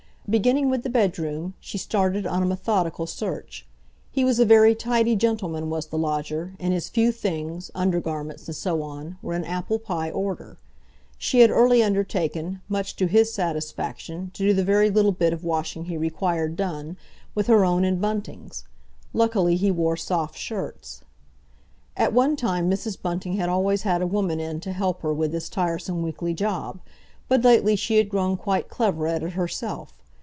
Beginning with the bedroom, she started on a methodical search. He was a very tidy gentleman was the lodger, and his few things, under garments, and so on, were in apple pie order. She had early undertaken, much to his satisfaction, to do the very little bit of washing he required done, with her own and Bunting's. Luckily he wore soft shirts. At one time Mrs. Bunting had always had a woman in to help her with this tiresome weekly job, but lately she had grown quite clever at it herself.